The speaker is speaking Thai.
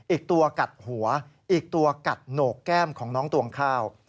อีกตัวกัดหัวอีกตัวกัดโหนกแก้มของน้องตวงข้าว